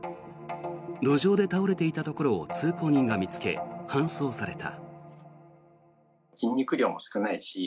路上で倒れていたところを通行人が見つけ、搬送された。